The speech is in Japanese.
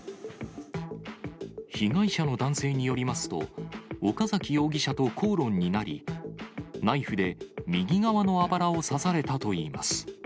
被害者の男性によりますと、岡崎容疑者と口論になり、ナイフで右側のあばらを刺されたといいます。